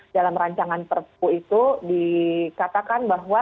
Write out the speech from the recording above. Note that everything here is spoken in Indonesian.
dalam rancangan perpu itu dikatakan bahwa